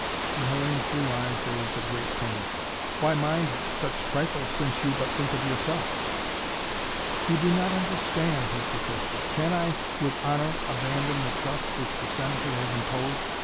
In Hellayne's blue eyes there was a great pain. "Why mind such trifles since you but think of yourself?" "You do not understand!" he protested. "Can I with honor abandon the trust which the Senator has imposed?